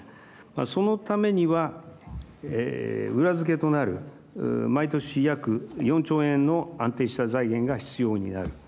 そのためには裏付けとなる毎年約４兆円の安定した財源が必要になる。